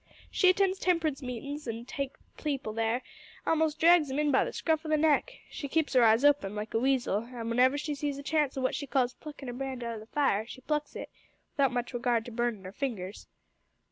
She attends temperance meetin's an' takes people there a'most drags 'em in by the scruff o' the neck. She keeps 'er eyes open, like a weasel, an' w'enever she sees a chance o' what she calls pluckin' a brand out o' the fire, she plucks it, without much regard to burnin' 'er fingers.